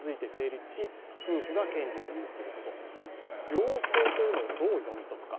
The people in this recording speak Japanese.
両性というのをどう読み解くか。